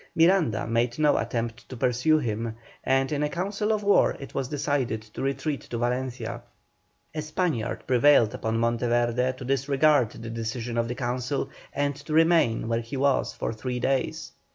Miranda made no attempt to pursue him, and in a council of war it was decided to retreat to Valencia. A Spaniard prevailed upon Monteverde to disregard the decision of the council, and to remain where he was for three days.